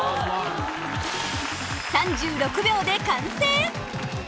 ３６秒で完成！